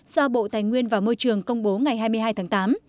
do bộ tài nguyên và môi trường công bố ngày hai mươi hai tháng tám